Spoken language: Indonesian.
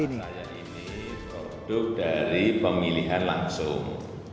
ini adalah satu dari pemilihan langsung